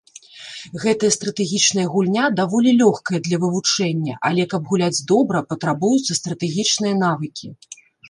Гэтая стратэгічная гульня даволі лёгкая для вывучэння, але каб гуляць добра патрабуюцца стратэгічныя навыкі.